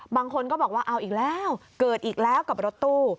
บางคนก็บอกว่าเอาอีกแล้วเกิดอีกแล้วกับรถตู้